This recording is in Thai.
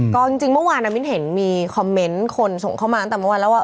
ก็จริงเมื่อวานมิ้นเห็นมีคอมเมนต์คนส่งเข้ามาตั้งแต่เมื่อวานแล้วว่า